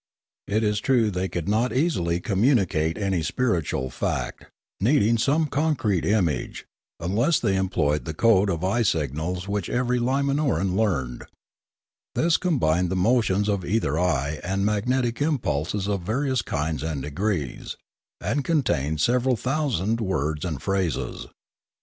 It is true they could The Firla, or Electric Sense 137 not easily communicate any unspiritual fact, needing some concrete image, unless they employed the code of eye signals which every Limanoran learned ; this com bined the motions of either eye and magnetic impulses of various kinds and degrees, and contained several thousand words and phrases.